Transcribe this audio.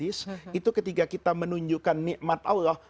itu ketika kita menunjukkan nikmat allah